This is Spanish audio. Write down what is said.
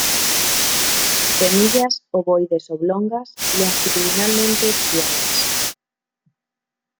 Semillas ovoides-oblongas, longitudinalmente estriadas.